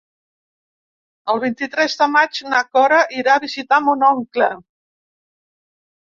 El vint-i-tres de maig na Cora irà a visitar mon oncle.